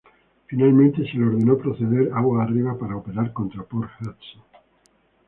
Finalmente, se le ordenó proceder aguas arriba para operar contra Port Hudson.